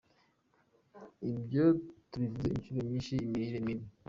Ibyo tubivuze inshuro nyinshi, imirire mibi.